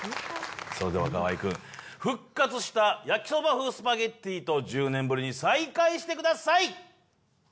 それでは河合くん復活した焼きそば風スパゲッティと１０年ぶりに再会してください